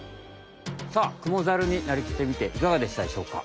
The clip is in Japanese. さあクモザルになりきってみていかがでしたでしょうか？